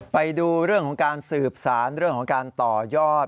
ไปดูเรื่องของการสืบสารเรื่องของการต่อยอด